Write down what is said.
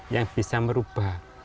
yang bisa merubah